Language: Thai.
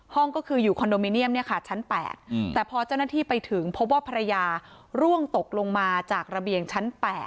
ห้องก็คืออยู่คอนโดมิเนียมชั้น๘แต่พอเจ้าหน้าที่ไปถึงพบว่าภรรยาร่วงตกลงมาจากระเบียงชั้น๘